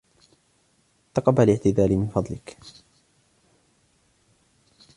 تقبل إعتذاري من فضلك.